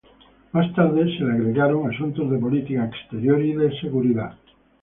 Más tarde se le agregaron asuntos de política exterior y de seguridad.